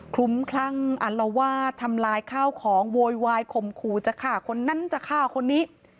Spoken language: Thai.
ลุ้มคลั่งอัลวาดทำลายข้าวของโวยวายข่มขู่จะฆ่าคนนั้นจะฆ่าคนนี้